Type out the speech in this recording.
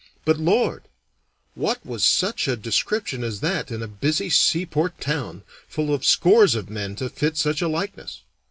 But, Lord! what was such a description as that in a busy seaport town, full of scores of men to fit such a likeness?